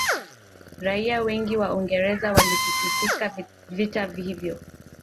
raia wengi wa uingereza walisikitikia vita hiyo